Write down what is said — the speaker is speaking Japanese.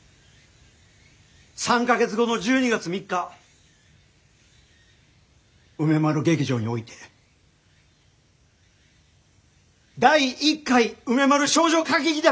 ３か月後の１２月３日梅丸劇場において第１回梅丸少女歌劇団